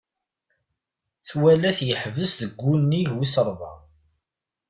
Twala-t yeḥbes deg wunnig wisrebɛa.